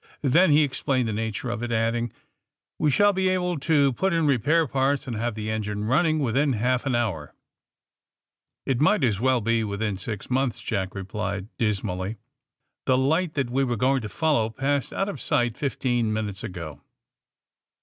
Then he explained the nature of it, adding: ^We shall be able to put in repair parts and have the engine running within half an hour.^^ AND THE SMUGGLERS 73 It might as well be within six months," Jack replied dismally. ^^The light that we were going to follow passed out of sight fifteen min utes ago.'